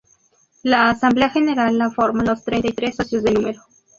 La Asamblea General la forman los treinta y tres socios de número.